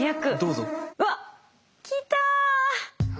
うわっ！来た蚊だ！